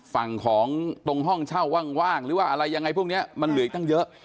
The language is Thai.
ฝั่งของตรงห้องเช่าว่างหรือว่าอะไรยังไงพวกนี้มันเหลืออีกตั้งเยอะ